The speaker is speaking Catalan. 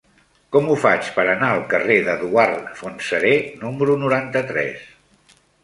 Com ho faig per anar al carrer d'Eduard Fontserè número noranta-tres?